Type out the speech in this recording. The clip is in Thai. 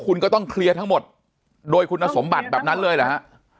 คุณก็ต้องเคลียร์ทั้งหมดโดยคุณสมบัติแบบนั้นเลยเหรอฮะ